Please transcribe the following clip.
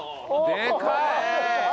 でかい！